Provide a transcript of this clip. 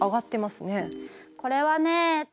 これはね